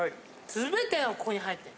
全てがここに入ってる。